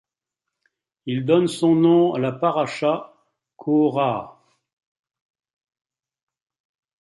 Il donne son nom à la parasha Qora'h.